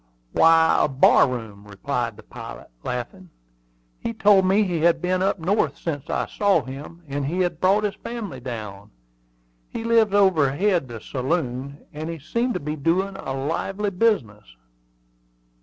"Why, a bar room," replied the pilot, laughing. "He told me he had been up north since I saw him, and had brought his family down. He lives overhead the saloon; and he seemed to be doing a lively business."